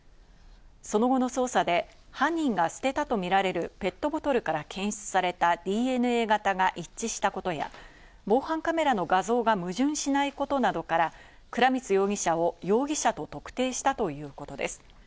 その後の捜査で犯人が捨てたとみられるペットボトルから検出されたＤＮＡ型が一致したことや、防犯カメラの画像が矛盾しないことなどから倉光容疑者を容疑者と特定したということです。